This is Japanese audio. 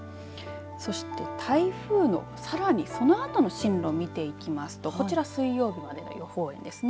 そして台風のさらにそのあとの進路を見ていきますとこちら水曜日までの予報円です。